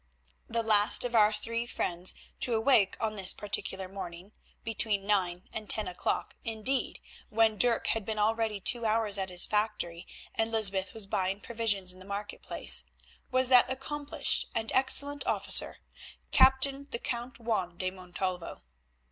The last of our three friends to awake on this particular morning, between nine and ten o'clock, indeed, when Dirk had been already two hours at his factory and Lysbeth was buying provisions in the market place, was that accomplished and excellent officer, Captain the Count Juan de Montalvo.